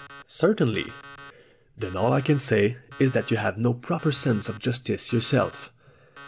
"Certainly." "Then all I can say is that you have no proper sense of justice yourself."